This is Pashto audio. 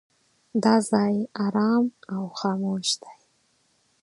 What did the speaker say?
دا ځای ارام او خاموش دی.